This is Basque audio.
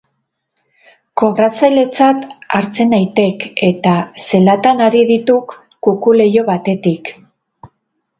Kobratzailetzat hartzen naitek, eta zelatan ari dituk kuku-leiho batetik.